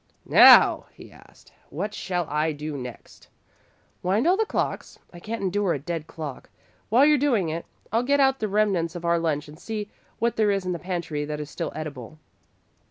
"Now," he asked, "what shall I do next?" "Wind all the clocks. I can't endure a dead clock. While you're doing it, I'll get out the remnants of our lunch and see what there is in the pantry that is still edible."